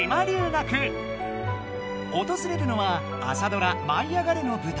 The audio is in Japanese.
おとずれるのは朝ドラ「舞いあがれ！」の舞台